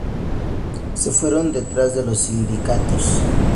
Se fueron detrás de los sindicatos.